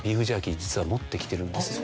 実は持ってきてるんですよ。